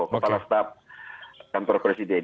kepala staf kantor presiden